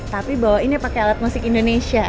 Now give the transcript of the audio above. tapi bawainnya pakai alat musik indonesia